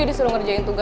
jadi gue ikutan juga